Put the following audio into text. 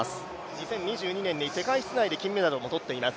２０２２年に世界室内で金メダルも取っています。